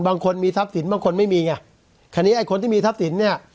บางคนมีทรัพย์สินบางคนไม่มีไงคราวนี้ไอ้คนที่มีทรัพย์สินเนี่ย